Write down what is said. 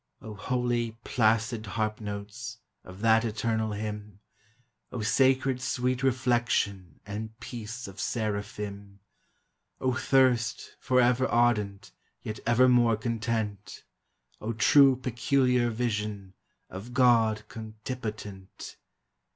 O holy, placid harp notes Of that eternal hymn ! O sacred, sweet reflection, And peace of Seraphim! O thirst, forever ardent. Yet evermore content! O true peculiar vision Of God cunctipotent!